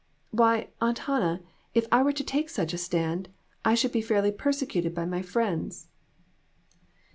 Why, Aunt Hannah, if I were to take such a stand, I should be fairly perse cuted by my friends."